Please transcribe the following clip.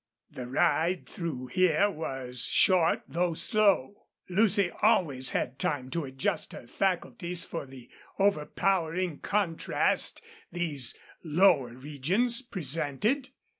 The ride through here was short, though slow. Lucy always had time to adjust her faculties for the overpowering contrast these lower regions presented.